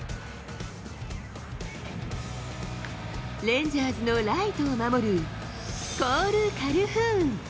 レンジャーズのライトを守るコール・カルフーン。